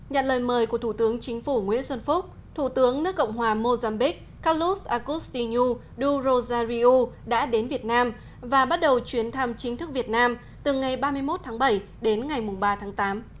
nhận lời mời của thủ tướng chính phủ nguyễn xuân phúc thủ tướng nước cộng hòa mozambique kalus akusinu du rojariu đã đến việt nam và bắt đầu chuyến thăm chính thức việt nam từ ngày ba mươi một tháng bảy đến ngày ba tháng tám